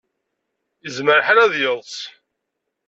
Yezmer lḥal ad yeḍs.